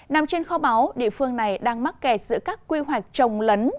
nằm trên kho báo địa phương này đang mắc kẹt giữa các quy hoạch trồng lấn